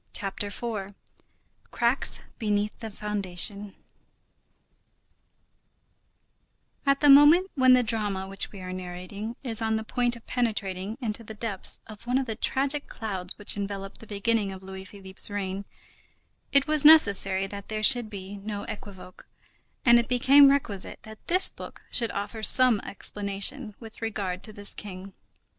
CHAPTER IV—CRACKS BENEATH THE FOUNDATION At the moment when the drama which we are narrating is on the point of penetrating into the depths of one of the tragic clouds which envelop the beginning of Louis Philippe's reign, it was necessary that there should be no equivoque, and it became requisite that this book should offer some explanation with regard to this king.